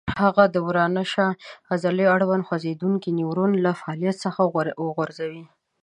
هغه د ورانه د شا عضلې اړوند خوځېدونکی نیورون له فعالیت څخه غورځوي.